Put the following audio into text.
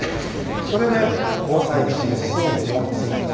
それで防災ビジネスを思いついた？